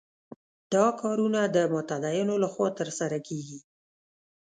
دا کارونه د متدینو له خوا ترسره کېږي.